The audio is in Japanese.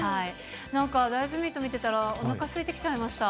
なんか大豆ミート見てたら、おなかすいてきちゃいました。